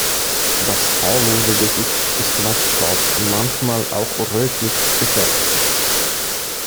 Das haarlose Gesicht ist meist schwarz, manchmal auch rötlich, gefärbt.